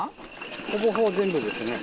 ほぼほぼ全部ですね。